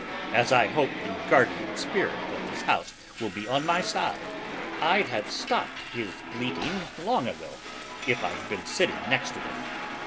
As I hope the guardian spirit of this house will be on my side, I'd have stopped his bleating long ago if I'd been sitting next to him.